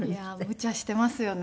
むちゃしていますよね